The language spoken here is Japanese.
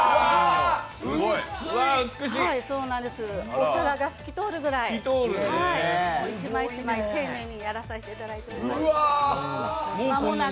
お皿が透きとおるぐらい１枚１枚丁寧にやらせていただいています。